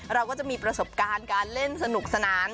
เราก็จะมีประสบการณ์การเล่นสนุกสนาน